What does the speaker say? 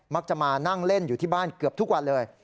มักจะมานั่งเล่นอยู่ที่บ้านเกือบทุกวันเลย